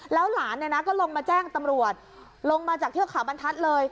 แล้วหลานเนี่ยนะก็ลงมาแจ้งตำรวจลงมาจากเทือกเขาบรรทัศน์เลย